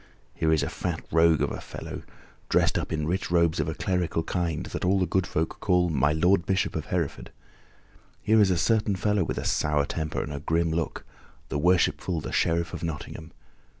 Here is a fat rogue of a fellow, dressed up in rich robes of a clerical kind, that all the good folk call my Lord Bishop of Hereford. Here is a certain fellow with a sour temper and a grim look the worshipful, the Sheriff of Nottingham.